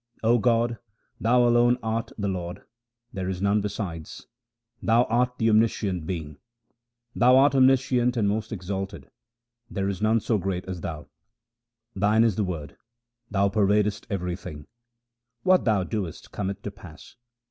O God, Thou alone art the Lord, there is none besides ; Thou art the omniscient Being. Thou art omniscient and most exalted ; there is none so great as Thou. Thine is the Word ; Thou pervadest everything ; what Thou doest cometh to pass.